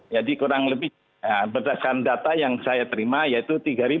jadi kurang lebih berdasarkan data yang saya terima yaitu tiga satu ratus sembilan belas